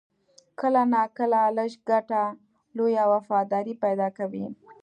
کله ناکله لږ ګټه، لویه وفاداري پیدا کوي.